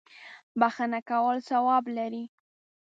بخښه کول ثواب لري.